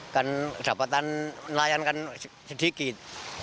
kan dapatan nelayan kan sedikit